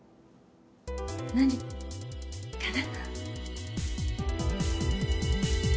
何かな？